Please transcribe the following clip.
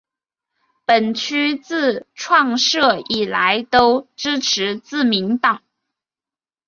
本区自创设以来都支持自民党。